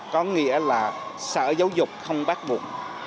có nghĩa là sở giáo dục không bác buộc